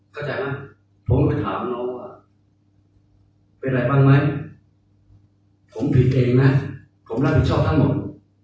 เป็นอะไรบ้างมั้ยผมผิดเองนะผมรับผิดชอบทั้งหมด